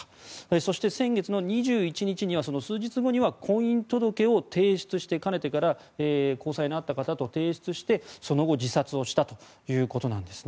そして、先月の２１日数日後には婚姻届を提出してかねてから交際のあった方と提出してその後自殺したということです。